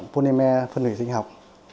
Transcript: polymer phân hủy sinh học